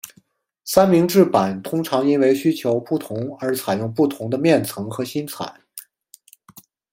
三明治板通常因为需求不同而采用不同的面层和芯材。